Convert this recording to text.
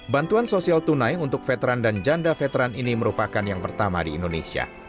bantuan sosial tunai untuk veteran dan janda veteran ini merupakan yang pertama di indonesia